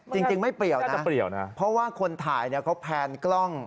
จริงไม่เปรียวนะเพราะว่าคนถ่ายเขาแพนกล้อง